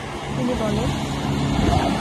তিনি বলেন।